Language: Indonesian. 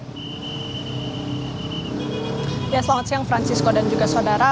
ya selamat siang francisco dan juga saudara